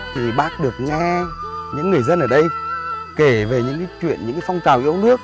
thì bác được nghe những người dân ở đây kể về những cái chuyện những cái phong trào yếu nước